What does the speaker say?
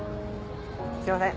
すいません。